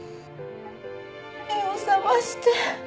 目を覚まして。